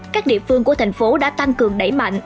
các địa phương của thành phố đã tăng cường đẩy mạnh